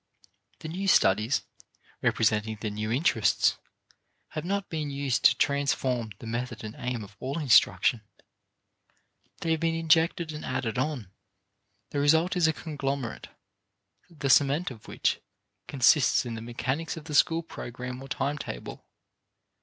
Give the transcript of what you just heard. The new studies, representing the new interests, have not been used to transform the method and aim of all instruction; they have been injected and added on. The result is a conglomerate, the cement of which consists in the mechanics of the school program or time table.